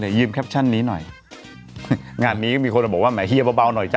ยืมแคปชั่นนี้หน่อยงานนี้ก็มีคนมาบอกว่าแหมเฮียเบาหน่อยจ้